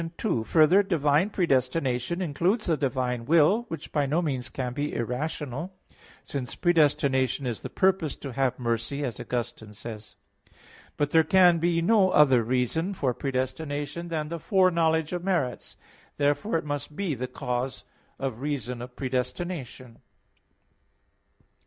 2: Further, Divine predestination includes the divine will, which by no means can be irrational; since predestination is "the purpose to have mercy," as Augustine says (De Praed. Sanct. ii, 17). But there can be no other reason for predestination than the foreknowledge of merits. Therefore it must be the cause of reason of predestination.